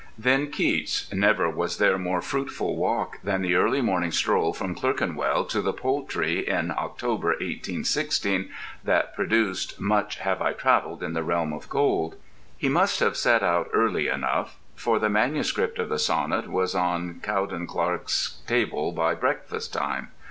Then Keats: never was there more fruitful walk than the early morning stroll from Clerkenwell to the Poultry in October, 1816, that produced "Much have I travelled in the realms of gold." He must have set out early enough, for the manuscript of the sonnet was on Cowden Clarke's table by breakfast time.